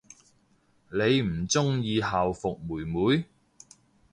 你唔鍾意校服妹妹？